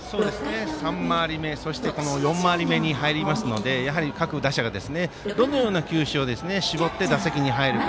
３回り目、４回り目に入るのでやはり各打者がどのような球種を絞って打席に入るか。